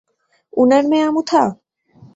উনার মেয়ে, আমুথা?